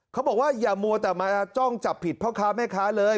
เขาบอกว่าอย่ามัวแต่มาจ้องจับผิดพ่อค้าแม่ค้าเลย